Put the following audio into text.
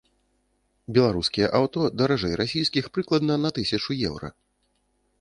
Беларускія аўто даражэй расійскіх прыкладна на тысячу еўра.